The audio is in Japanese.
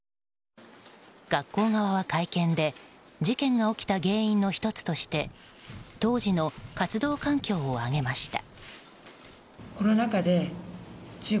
学校側は会見で事件が起きた原因の１つとして当時の活動環境を挙げました。